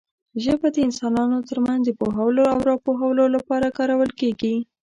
ژبه د انسانانو ترمنځ د پوهولو او راپوهولو لپاره کارول کېږي.